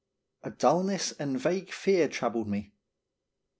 A dullness and vague fear troubled me.